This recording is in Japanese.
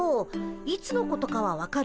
いつのことかは分かる？